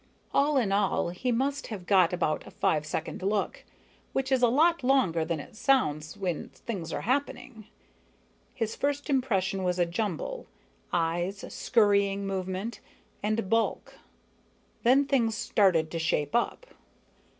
All in all, he must have got about a five second look, which is a lot longer than it sounds when things are happening. His first impression was a jumble eyes, scurrying movement, and bulk. Then things started to shape up.